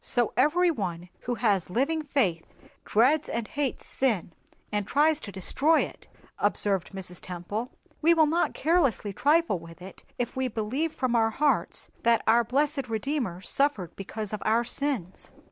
"So every one who has living faith dreads and hates sin, and tries to destroy it," observed Mrs. Temple. "We will not carelessly trifle with it if we believe from our hearts that our blessed Redeemer suffered because of our sins."